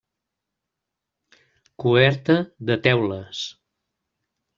Coberta de teules.